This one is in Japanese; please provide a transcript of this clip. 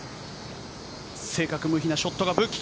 正確無比なショットが武器。